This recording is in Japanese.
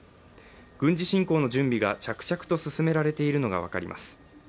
軍事侵攻の準備が着々と進められているのが分かります。